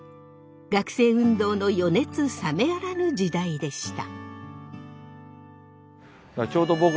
学生運動の余熱冷めやらぬ時代でした。